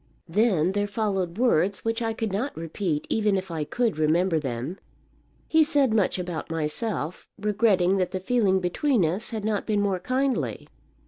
Then there followed words which I could not repeat, even if I could remember them. He said much about myself, regretting that the feeling between us had not been more kindly.